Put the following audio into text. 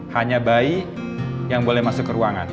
hanya bayi yang boleh masuk ke ruangan